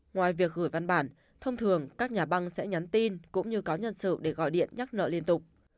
ngoài việc gửi văn bản thông thường các nhà băng sẽ nhắn tin cũng như có nhân sự để gọi điện nhắc nợ liên tục